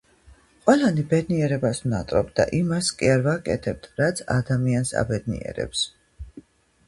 ყველანი ბედნიერებას ვნატრობთ და იმას კი არ ვაკეთებთ, რაც ადამიანს აბედნიერებს.